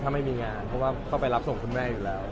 เพราะไม่มีงานเพราะเข้าไปรับส่งคุณแม่ทุกคนแล้ว